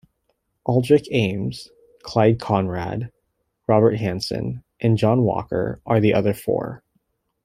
Aldrich Ames, Clyde Conrad, Robert Hanssen and John Walker are the other four.